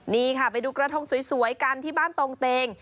นี่ค่ะไปดูกระทงสวยกันที่บ้านตรงเตง